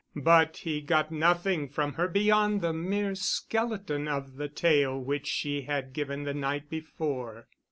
But he got nothing from her beyond the mere skeleton of the tale which she had given the night before.